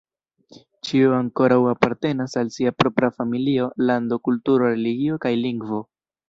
Ĉiu ankoraŭ apartenas al sia propra familio, lando, kulturo, religio, kaj lingvo.